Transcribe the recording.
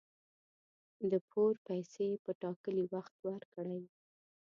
د پور پیسي په ټاکلي وخت ورکړئ